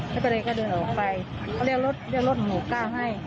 ก็เลยก็เดินออกไปพี่เรียกแล้วรถหนูเก้าให้